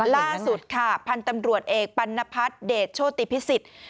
ล่าสุดค่ะพันธุ์ตำรวจเอกปัณพัฒน์เดชโชติพิสิทธิ์